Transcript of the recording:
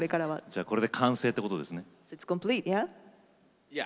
じゃこれで完成ってことですね。